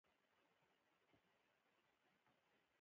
پورتنی نعت له دغه کتاب څخه اخیستی.